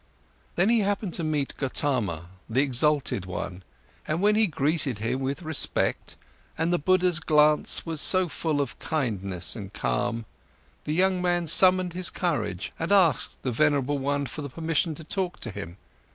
Then he happened to meet Gotama, the exalted one, and when he greeted him with respect and the Buddha's glance was so full of kindness and calm, the young man summoned his courage and asked the venerable one for the permission to talk to him.